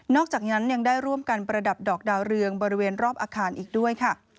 อกจากนั้นยังได้ร่วมกันประดับดอกดาวเรืองบริเวณรอบอาคารอีกด้วยค่ะ